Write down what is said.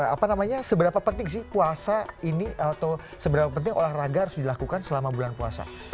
apa namanya seberapa penting sih puasa ini atau seberapa penting olahraga harus dilakukan selama bulan puasa